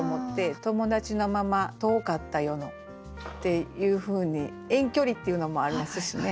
「友達のまま遠かった夜の」っていうふうに遠距離っていうのもありますしね。